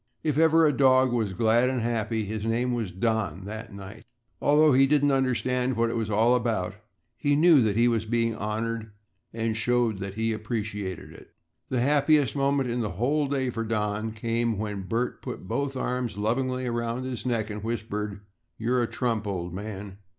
If ever a dog was glad and happy, his name was Don that night. Although he didn't understand what it was all about, he knew that he was being honored and showed that he appreciated it. The happiest moment in the whole day for Don came when Bert put both arms lovingly around his neck and whispered, "You're a trump, old man."